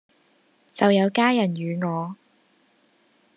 就有家人與我